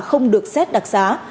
mà không được xét đặc giá